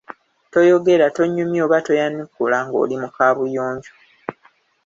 Toyogera, tonyumya oba toyanukula ng’oli mu Kaabuyonjo.